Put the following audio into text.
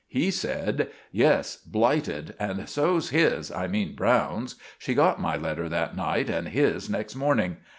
He said: "Yes, blighted; and so's his I mean Browne's. She got my letter that night and his next morning.